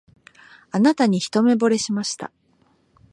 あなたに一目ぼれしました